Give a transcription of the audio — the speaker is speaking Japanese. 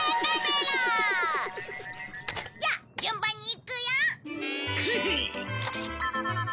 じゃあ順番にいくよ！